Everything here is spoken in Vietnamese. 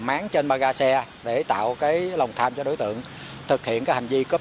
bản thân mỗi người dân khi tham gia giao thông hãy tự nâng cao ý thức cảnh giác tự quản